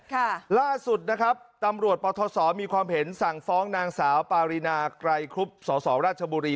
ล่าสุดนะครับตำรวจปทศมีความเห็นสั่งฟ้องนางสาวปารีนาไกรครุบสสราชบุรี